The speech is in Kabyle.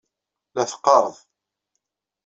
La teqqaṛeḍ.